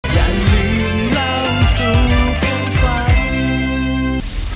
อย่าลืมเล่าสู่กันฟัง